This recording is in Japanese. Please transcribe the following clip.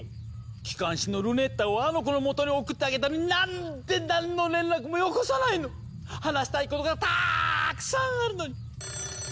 機関士のルネッタをあの子のもとに送ってあげたのになんで何の連絡もよこさないの⁉話したいことがたくさんあるのに！